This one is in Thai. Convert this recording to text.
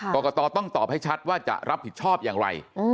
กรกตต้องตอบให้ชัดว่าจะรับผิดชอบอย่างไร